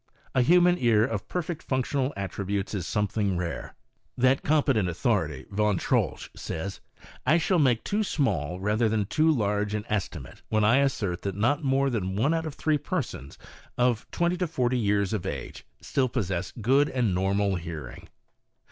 A human ear of perfect functional attributes is something rare. That competent authority, Yon Troltsch, says :\ I shall make too small rather than too large an estimate, when I assert that r<ot more than one out of three persons, of from twenty to forty years of age, still possess good and normal hearing.'